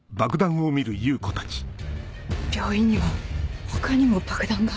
病院には他にも爆弾が。